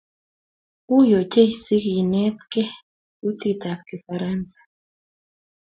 Wiiy ochei sintegei kutitab kifaransa